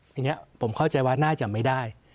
อย่างนี้ผมเข้าใจว่าน่าจะไม่ได้